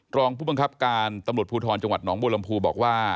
รองผู้บังคับการตำรวจภูทรจังหวัดหนองบัวลำพูบอกว่า